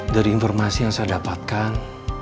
dari informasi yang saya dapatkan